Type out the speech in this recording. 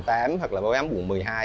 máy ấm hoặc là máy ấm quận một mươi hai